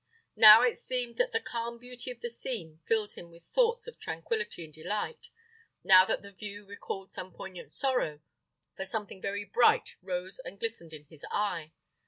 Now it seemed that the calm beauty of the scene filled him with thoughts of tranquillity and delight; now that the view recalled some poignant sorrow, for something very bright rose and glistened in his eye.